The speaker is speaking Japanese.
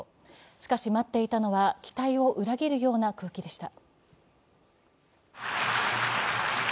しかし、待っていたのは期待を裏切るような空気でした。